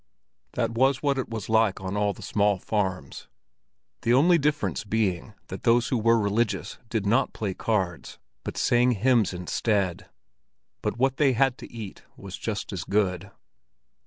That was what it was like at all the small farms, the only difference being that those who were religious did not play cards, but sang hymns instead. But what they had to eat was just as good.